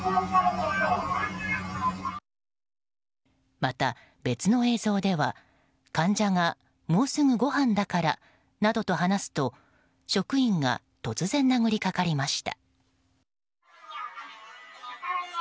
また別の映像では、患者がもうすぐご飯だからなどと話すと職員が突然殴りかかりました。